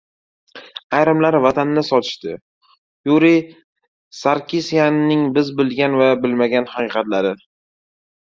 «Ayrimlar Vatanni sotishdi!». Yuriy Sarkisyanning biz bilgan va bilmagan haqiqatlari